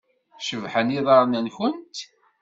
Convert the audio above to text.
Cebḥen yiḍarren-nwent.